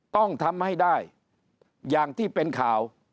ต้องทำให้ได้อย่างที่เป็นข่าว